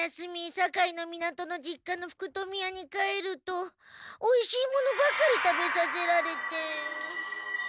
堺の港の実家の福富屋に帰るとおいしいものばかり食べさせられて。